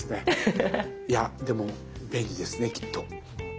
いやでも便利ですねきっと。